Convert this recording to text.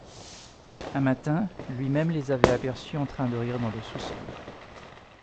Un matin, lui-même les avait aperçus en train de rire dans le sous-sol.